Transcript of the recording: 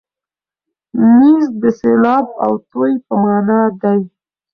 نیز د سېلاب او توی په مانا دی.